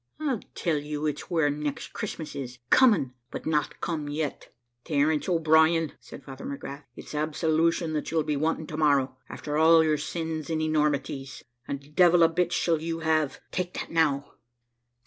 I'll tell you it's where next Christmas is coming, but not come yet.' "`Terence O'Brien,' said Father McGrath, `its absolution that you'll be wanting to morrow, after all your sins and enormities; and the devil a bit shall you have take that now.'